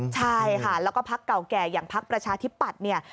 ใช่ค่ะแล้วก็ภักดิ์เก่าแก่อย่างภักดิ์ประชาธิปัตย์